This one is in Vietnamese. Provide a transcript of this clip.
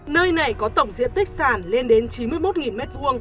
nơi này có tổng diện tích sàn lên đến chín mươi một m hai